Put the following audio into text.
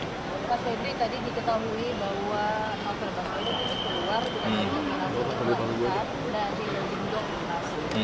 pak ferdinand tadi diketahui bahwa masyarakat keluar dari jakarta sudah dihitung